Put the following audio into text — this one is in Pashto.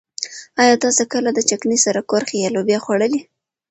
ايا تاسو کله د چکنۍ سره کورخې يا لوبيا خوړلي؟